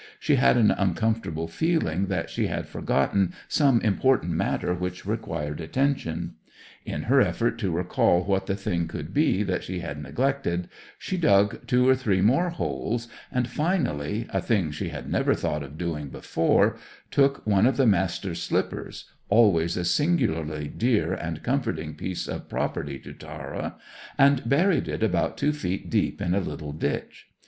She had an uncomfortable feeling that she had forgotten some important matter which required attention. In her effort to recall what the thing could be that she had neglected, she dug two or three more holes, and finally, a thing she had never thought of doing before, took one of the Master's slippers always a singularly dear and comforting piece of property to Tara and buried it about two feet deep in a little ditch.